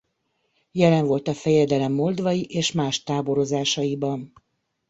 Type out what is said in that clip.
Jelen volt a fejedelem moldvai és más táborozásaiban.